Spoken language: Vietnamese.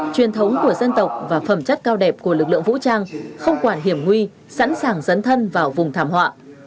truyền thống của dân tộc và phẩm chất cao đẹp của lực lượng vũ trang không quản hiểm nguy sẵn sàng dấn thân vào vùng thảm họa